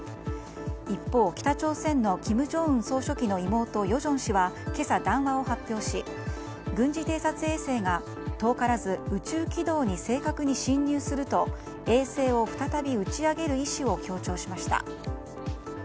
一方、北朝鮮の金正恩総書記の妹与正氏は今朝、談話を発表し軍事偵察衛星が遠からず宇宙軌道に正確に進入すると衛星を再び打ち上げる意思を強調しました。